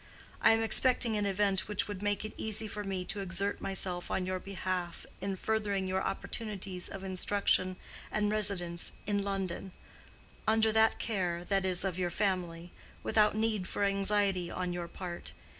I am expecting an event which would make it easy for me to exert myself on your behalf in furthering your opportunities of instruction and residence in London—under the care, that is, of your family—without need for anxiety on your part.